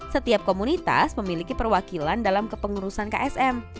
setiap komunitas memiliki perwakilan dalam kepengurusan ksm